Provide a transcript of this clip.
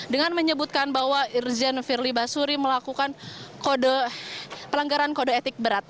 dengan menyebutkan bahwa irjen firly basuri melakukan pelanggaran kode etik berat